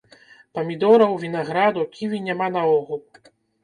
Памідораў, вінаграду, ківі няма наогул!